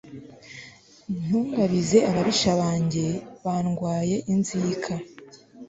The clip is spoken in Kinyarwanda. ntungabize ababisha banjye bandwaye inzika